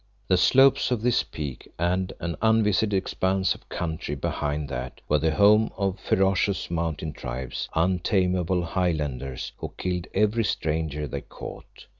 The slopes of this Peak and an unvisited expanse of country behind that ran up to the confines of a desert, were the home of ferocious mountain tribes, untamable Highlanders, who killed every stranger they caught.